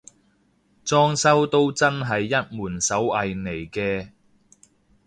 裝修都真係一門手藝嚟嘅